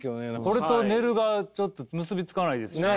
これと寝るがちょっと結び付かないですしね。